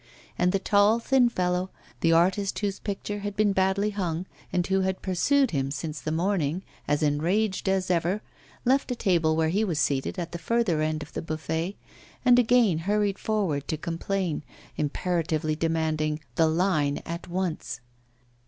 And the tall, thin fellow, the artist whose picture had been badly hung, and who had pursued him since the morning, as enraged as ever, left a table where he was seated at the further end of the buffet, and again hurried forward to complain, imperatively demanding 'the line' at once.